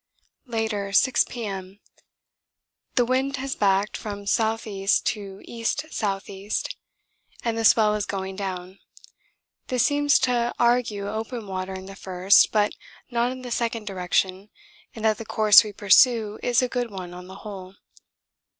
Later, 6 P.M. The wind has backed from S.E. to E.S.E. and the swell is going down this seems to argue open water in the first but not in the second direction and that the course we pursue is a good one on the whole.